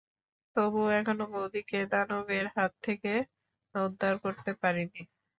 তবু এখনো বৌদিকে রাবণের হাত থেকে উদ্ধার করতে পারিনি।